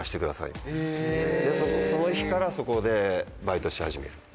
その日からそこでバイトし始める。